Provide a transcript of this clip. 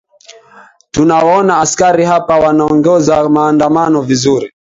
tunawaona askari hapa wanaongoza maandamano vizuri